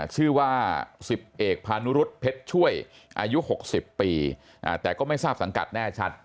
ชื่อว่า๑๐เอกพานุรุษเพชรช่วยอายุ๖๐ปีแต่ก็ไม่ทราบสังกัดแน่ชัด